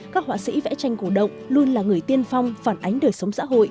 các họa sĩ vẽ tranh cổ động luôn là người tiên phong phản ánh đời sống xã hội